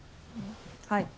はい。